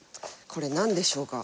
これなんでしょうか？